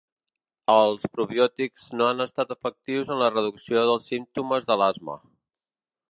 Els probiòtics no han estat efectius en la reducció dels símptomes de l’asma.